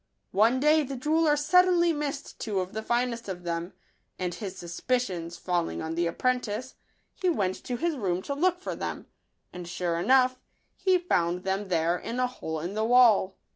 One day the jeweller suddenly missed two of the finest of them ; and his suspicions falling on the apprentice, he went to his room to look for them ; and, sure enough, he found them there, in a hole in the wall.